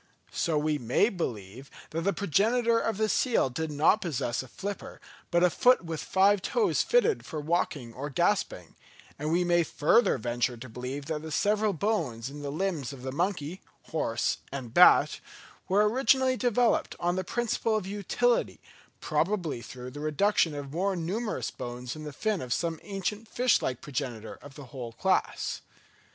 So we may believe that the progenitor of the seal did not possess a flipper, but a foot with five toes fitted for walking or grasping; and we may further venture to believe that the several bones in the limbs of the monkey, horse and bat, were originally developed, on the principle of utility, probably through the reduction of more numerous bones in the fin of some ancient fish like progenitor of the whole class.